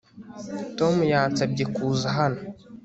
Tom yansabye kuza hano